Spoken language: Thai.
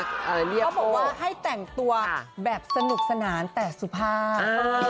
เขาบอกว่าให้แต่งตัวแบบสนุกสนานแต่สุภาพ